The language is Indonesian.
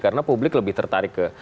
karena publik lebih tertarik ke